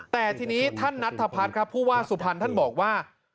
แต่ทีนี้ท่านนัทธพัฒน์ครับผู้ว่าสุพรรณท่านบอกว่า